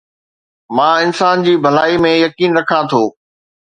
مان انسان جي ڀلائي ۾ يقين رکان ٿو